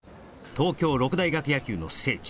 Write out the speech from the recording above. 東京六大学野球の聖地